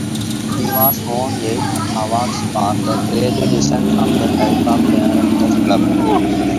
He has won eight awards for Creative Design from the Type Directors Club.